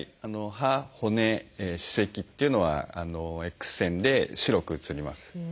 歯骨歯石っていうのはＸ線で白く写ります。